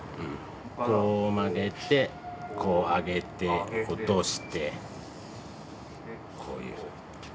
こう曲げてこう上げて落としてこういう。